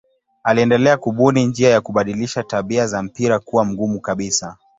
Aliendelea kubuni njia ya kubadilisha tabia za mpira kuwa mgumu kabisa.